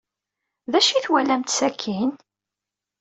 D acu ay twalamt sakkin?